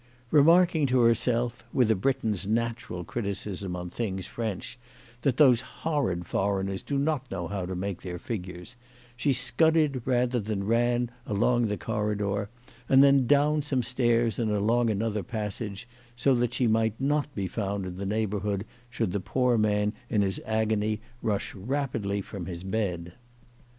Remarking to herself, with a Briton's natural criticism on things French, that those horrid foreigners do not know how to make their figures, she scudded rather than ran along the corridor, and then down some stairs and along another passage, so that she might not be found in the neighbourhood should the poor man in his agony rush rapidly from his bed.